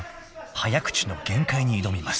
［早口の限界に挑みます］